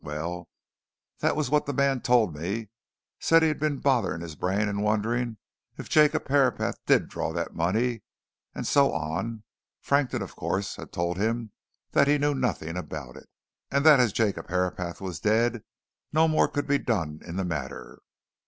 Well, that was what the man told me; said he'd been bothering his brains in wondering if Jacob did draw that money, and so on Frankton, of course, had told him that he knew nothing about it, and that as Jacob was dead, no more could be done in the matter.